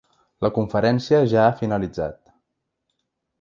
La conferència ja ha finalitzat.